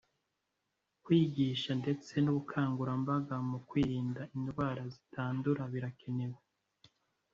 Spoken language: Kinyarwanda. kwigisha ndetse n ubukangurambaga mu kwirinda indwara zitandura birakenewe